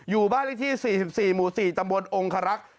อยู่บ้านลิขที่สี่สิบสี่หมู่สี่จังหวัดองคารักษ์